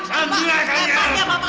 tak sanggup lah kalian